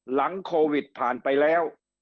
หลังโควิดผ่านไปแล้ว